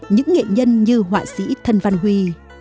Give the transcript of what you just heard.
những nghệ nhân như họa sĩ thân văn huy